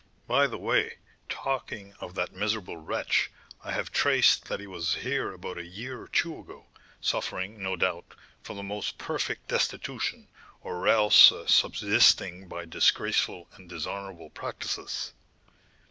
"By the way, talking of that miserable wretch, I have traced that he was here about a year or two ago, suffering, no doubt, from the most perfect destitution, or else subsisting by disgraceful and dishonourable practices."